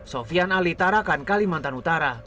sofian ali tarakan kalimantan utara